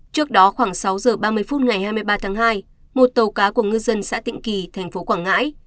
trước đó khoảng sáu giờ ba mươi phút ngày hai mươi ba tháng hai một tàu cá của ngư dân xã tịnh kỳ thành phố quảng ngãi